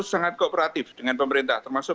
sangat kooperatif dengan pemerintah termasuk